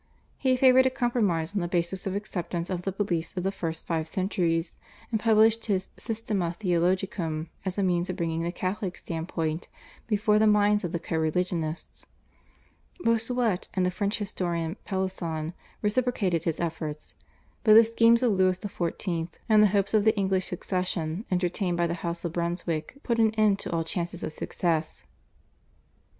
He favoured a compromise on the basis of acceptance of the beliefs of the first five centuries, and published his /Systema Theologicum/ as a means of bringing the Catholic standpoint before the minds of his co religionists. Bossuet and the French historian Pellisson reciprocated his efforts, but the schemes of Louis XIV. and the hopes of the English succession entertained by the House of Brunswick out an end to all chances of success.